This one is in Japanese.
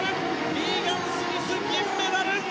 リーガン・スミス、銀メダル！